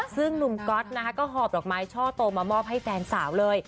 ซึ่งหนุ่มก๊อตนะคะก็หอบดอกไม้ช่อโตมามอบให้แฟนสาวเลย